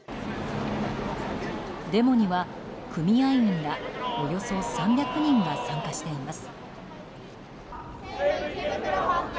デモには組合員らおよそ３００人が参加しています。